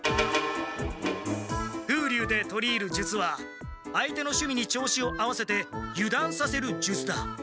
「風流で取り入る術」は相手のしゅみに調子を合わせてゆだんさせる術だ。